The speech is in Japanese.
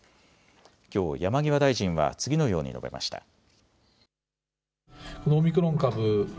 きょう、山際大臣は次のように述べました。